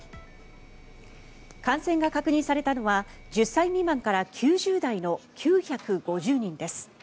感染が確認されたのは１０歳未満から９０代の９５０人です。